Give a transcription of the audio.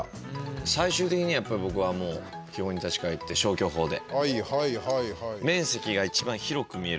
最終的にはやっぱり僕は基本に立ち返って消去法で。